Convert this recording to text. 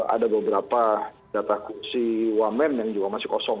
ada beberapa data kursi wamen yang juga masih kosong